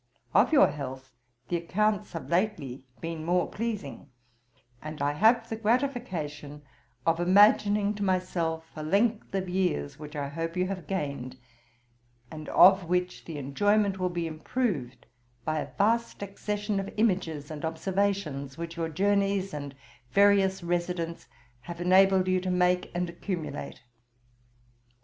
Of your health, the accounts have lately been more pleasing; and I have the gratification of imaging to myself a length of years which I hope you have gained, and of which the enjoyment will be improved by a vast accession of images and observations which your journeys and various residence have enabled you to make and accumulate.